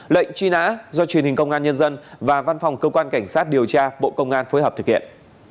lệnh truy nã do truyền hình công an nhân dân và văn phòng cơ quan cảnh sát điều tra bộ công an phối hợp thực hiện